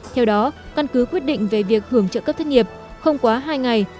theo đó căn cứ quyết định về việc hưởng trợ cấp thất nghiệp không quá hai ngày